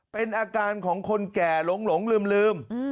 เป็นอาการของคนแก่หลงลืม